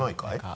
はい。